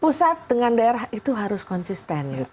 pusat dengan daerah itu harus konsisten